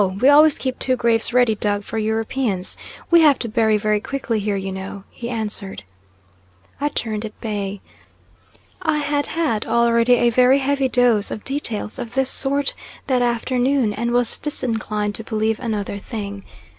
we always keep two graves ready dug for Europeans. We have to bury very quickly here, you know," he answered. I turned at bay. I had had already a very heavy dose of details of this sort that afternoon and was disinclined to believe another thing.